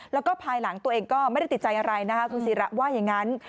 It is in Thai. แล้วก็ภายหลังตัวเองก็ไม่ได้ติดใจอะไรนะคะคุณศิระว่าอย่างนั้น